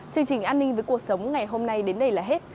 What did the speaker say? chương trình an ninh với cuộc sống ngày hôm nay đến đây là hết